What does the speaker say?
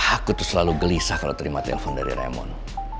aku tuh selalu gelisah kalau terima telepon dari remon